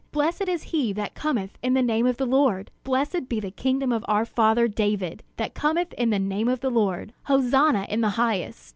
Blessed is he that cometh in the name of the Lord! Blessed be the kingdom of our father David, that cometh in the name of the Lord! Hosanna in the highest!"